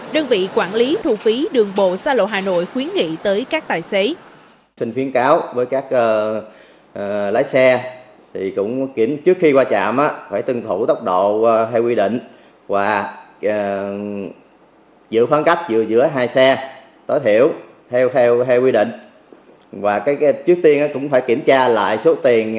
đơn vị quản lý thu phí đường bộ sa lộ hà nội khuyến nghị tới các tài xế